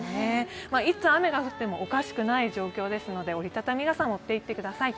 いつ雨が降ってもおかしくない状況ですので折り畳み傘持っていってください。